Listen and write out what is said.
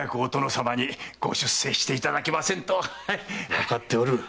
わかっておる。